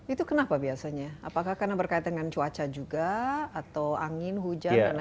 itu kenapa biasanya apakah karena berkaitan dengan cuaca juga atau angin hujan